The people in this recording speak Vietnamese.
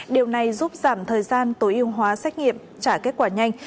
điều này giúp giảm thời gian tối ưu hóa xét nghiệm trả kết quả nhanh